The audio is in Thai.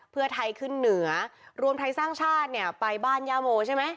เพื่อไทยขึ้นเหนือรวมไทยสร้างชาติเนี่ยไปบ้านย่าโมใช่ไหม